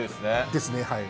ですねはい。